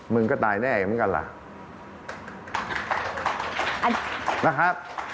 มึงก็ตายแน่เหมือนกันล่ะ